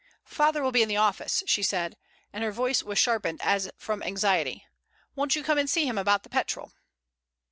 "Father will be in the office," she said, and her voice was sharpened as from anxiety. "Won't you come and see him about the petrol?"